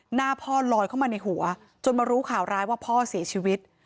หน้าพ่อลอยเข้ามาในหัวจนมารู้ข่าวร้ายว่าพ่อเสียชีวิต